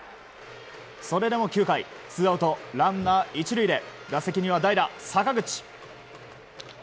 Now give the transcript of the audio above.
それでも９回ツーアウト、ランナー１塁で打席には代打、坂口。